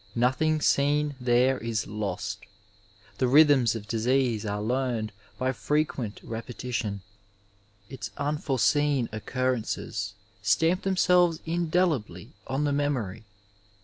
Nothing seen there is lost ; the rh3rthms of disease are learned by frequent repetition ; its unforeseen occurrences stamp themselves indelibly on the memory.